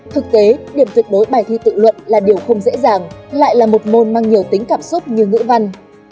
thực tế điểm tuyệt đối bài thi tự luận là điều không dễ dàng lại là một môn mang nhiều tính cảm xúc như ngữ văn